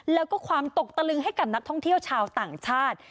แล้วก็ความตกตะลึงให้กับนักท่องเที่ยวชาวต่างชาติ